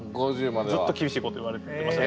ずっと厳しいこと言われてました。